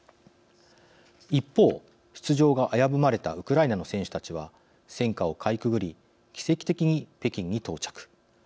一方、出場が危ぶまれたウクライナの選手たちは戦火をかいくぐり奇跡的に北京に到着。